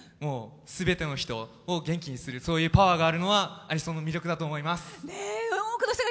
すべての人を元気にするそういうパワーがあるのがアニソンの魅力だと思います。